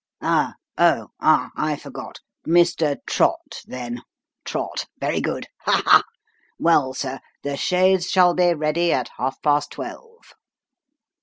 " Oh ah, I forgot. Mr. Trott, then Trott very good, ha ! ha ! Well, sir, the chaise shall bo ready at half past twelve."